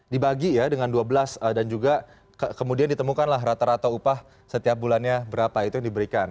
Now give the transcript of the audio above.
dibagi ya dengan dua belas dan juga kemudian ditemukanlah rata rata upah setiap bulannya berapa itu yang diberikan